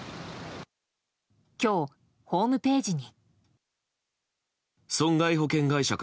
今日、ホームページに。